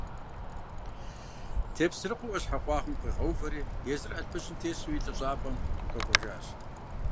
Тепсэрыкъуэ Ӏуащхьэ къуагъым къуигъэувэри езыр алъпыжьым тесу и лӀыщӀапӀэм къэкӀуэжащ.